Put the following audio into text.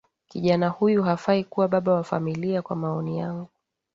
Kijana huyu hafai kuwa baba wa familia, kwa maoni yangu.